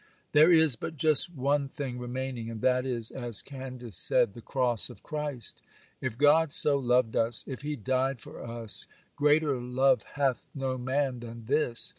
'There is but just one thing remaining, and that is, as Candace said, the cross of Christ. If God so loved us,—if He died for us,—greater love hath no man than this.